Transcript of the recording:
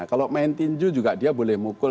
kalau main tinju juga dia boleh mukul